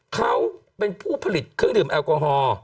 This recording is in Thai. เขาเป็นผู้ผลิตเครื่องดื่มแอลกอฮอล์